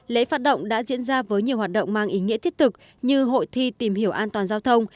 lễ phát động đã diễn ra với nhiều hoạt động mang ý nghĩa thiết thực như hội thi tìm hiểu an toàn giao thông